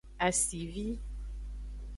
Asivi.